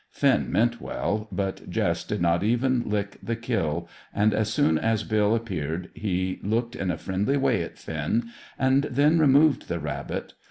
Finn meant well, but Jess did not even lick the kill, and as soon as Bill appeared he looked in a friendly way at Finn, and then removed the rabbit.